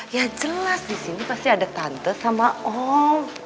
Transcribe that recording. ya jelas di sini pasti ada tante sama om